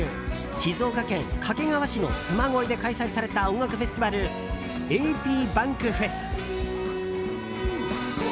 静岡県掛川市のつま恋で開催された音楽フェスティバル「ａｐｂａｎｋｆｅｓ」。